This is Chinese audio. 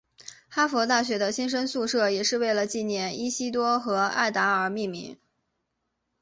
哈佛大学的新生宿舍也是为了纪念伊西多和艾达而命名。